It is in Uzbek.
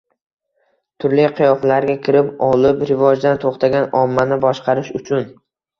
turli qiyofalarga kirib olib rivojdan to‘xtagan ommani boshqarish uchun.